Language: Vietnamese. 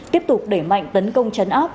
tiếp tục đẩy mạnh tấn công chấn áp